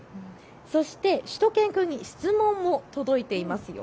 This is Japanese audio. そしてしゅと犬くんに質問も届いてます。